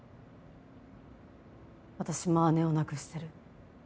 私も姉を亡くしてる。